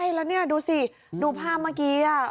แล้วนี่ดูสิดูภาพเมื่อกี้